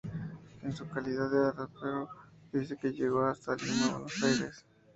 En su calidad de apoderado, se dice que llegó hasta Lima y Buenos Aires.